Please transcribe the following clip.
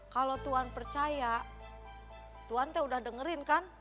kalau tuhan percaya tuhan teh udah dengerin kan